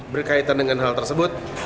berkaitan dengan hal tersebut